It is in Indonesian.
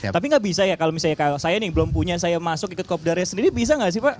tapi nggak bisa ya kalau misalnya saya nih belum punya saya masuk ikut cop dari sendiri bisa nggak sih pak